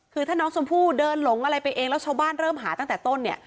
คือถ้าน้องชมพู่เดินหลงอะไรไปเองแล้วชาวบ้านเริ่มหาตั้งแต่ต้นเนี่ย